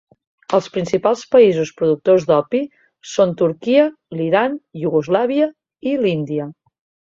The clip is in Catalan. Els principals països productors d'opi són Turquia, l'Iran, Iugoslàvia i l'Índia.